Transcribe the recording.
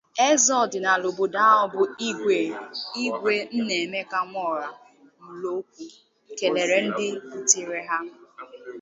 eze ọdịnala obodo ahụ bụ Igwe Nnaemeka Nworah-Muolokwu kelere ndị butere ha